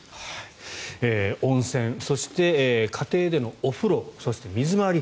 温泉そして家庭でのお風呂そして、水回り